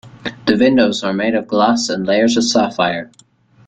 The windows are made of glass and layers of sapphire.